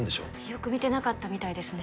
よく見てなかったみたいですね